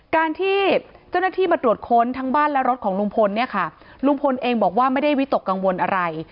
การที่เจ้าหน้าที่มาตรวจค้นทั้งบ้านและรถของลุงพลเนี่ยค่ะลุงพลเองบอกว่าไม่ได้วิตกกังวลอะไร